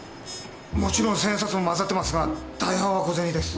もちろん１，０００円札も交ざってますが大半は小銭です。